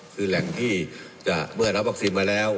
เพื่อจะโดยแหล่งที่เมื่อระวัติวัคซีนมาแล้ว